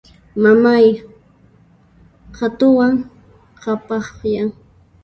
Mamay qhatuwan qhapaqyan.